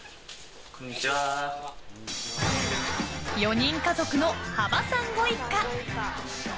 ４人家族の幅さんご一家。